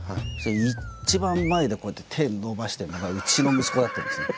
一番前でこうやって手伸ばしてるのがうちの息子だったんですよね。